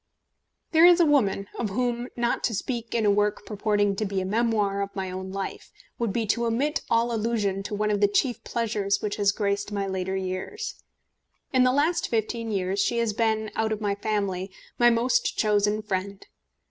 There is a woman, of whom not to speak in a work purporting to be a memoir of my own life would be to omit all allusion to one of the chief pleasures which has graced my later years. In the last fifteen years she has been, out of my family, my most chosen friend.